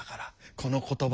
この言葉。